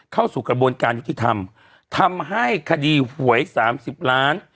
เข้าสู่กระบวนการยุติธรรมทำให้คดีหวยสามสิบล้าน